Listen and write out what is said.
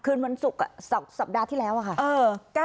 คืนวันศุกร์สัปดาห์ที่แล้วอะค่ะ